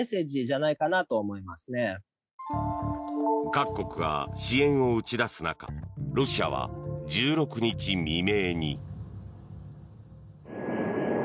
各国が支援を打ち出す中ロシアは１６日未明に。